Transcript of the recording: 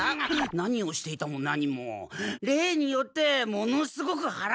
何をしていたもなにも例によってものすごくはらがへって。